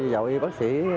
vào y bác sĩ